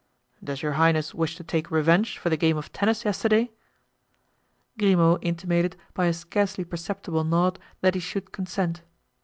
"Does your highness wish to take revenge for the game of tennis yesterday?" Grimaud intimated by a scarcely perceptible nod that he should consent.